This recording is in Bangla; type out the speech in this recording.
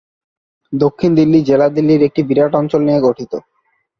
দক্ষিণ দিল্লি জেলা দিল্লির একটি বিরাট অঞ্চল নিয়ে গঠিত।